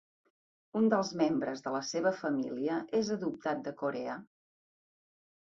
Un dels membres de la seva família és adoptat de Corea.